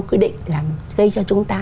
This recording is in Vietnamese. quy định là gây cho chúng ta